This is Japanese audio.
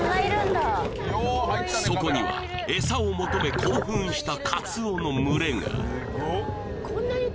そこにはエサを求め興奮したカツオの群れがすごっ！